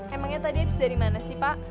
emangnya tadi habis dari mana sih pak